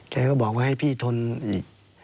แกก็บอกว่าให้พี่ทนอีก